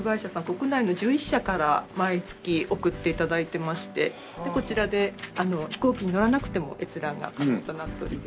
国内の１１社から毎月送って頂いてましてこちらで飛行機に乗らなくても閲覧が可能となっております。